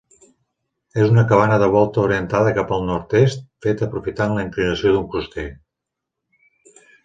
És una cabana de volta orientada cap al nord-oest, feta aprofitant la inclinació d'un coster.